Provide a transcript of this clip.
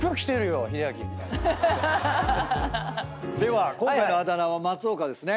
では今回のあだ名は松岡ですね。